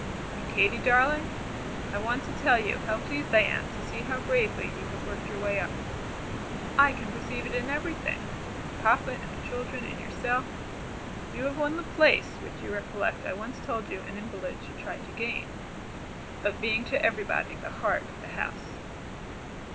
And Katy, darling, I want to tell you how pleased I am to see how bravely you have worked your way up. I can perceive it in everything in Papa, in the children, in yourself. You have won the place, which, you recollect, I once told you an invalid should try to gain, of being to everybody 'The Heart of the House.'"